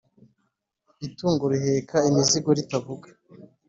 Itungo riheka imizigo ritavuga